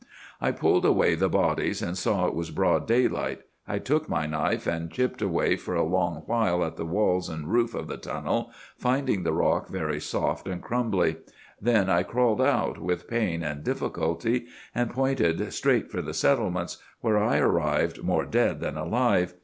I pulled away the bodies, and saw it was broad daylight. I took my knife, and chipped away for a long while at the walls and roof of the tunnel, finding the rock very soft and crumbly. Then I crawled out, with pain and difficulty, and pointed straight for the settlements, where I arrived more dead than alive.